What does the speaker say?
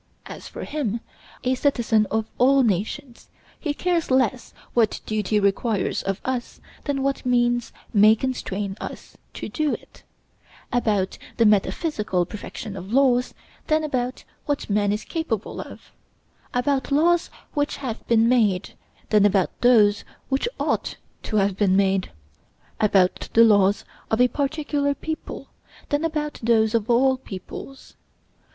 As for him, a citizen of all nations, he cares less what duty requires of us than what means may constrain us to do it; about the metaphysical perfection of laws, than about what man is capable of; about laws which have been made, than about those which ought to have been made; about the laws of a particular people, than about those of all peoples.